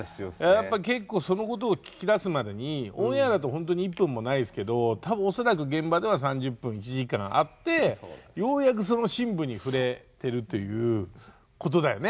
やっぱ結構そのことを聞き出すまでにオンエアだとほんとに１分もないですけど多分恐らく現場では３０分１時間あってようやくその深部に触れてるということだよね。